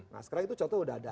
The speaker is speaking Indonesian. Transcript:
nah sekarang itu contoh udah ada